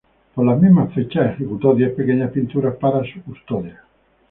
Por las mismas fechas ejecutó diez pequeñas pinturas para su custodia.